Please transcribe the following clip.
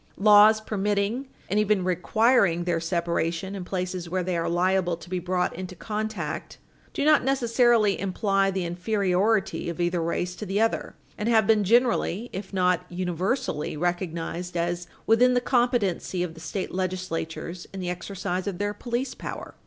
Laws permitting, and even requiring, their separation in places where they are liable to be brought into contact do not necessarily imply the inferiority of either race to the other, and have been generally, if not universally, recognized as within the competency of the state legislatures in the exercise of their police power.